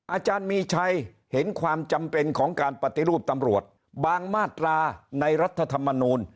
อาจารย์มีชัยเห็นความจำเป็นของการปฏิรูปตำรวจบางมาตราในรัฐธรรมนูล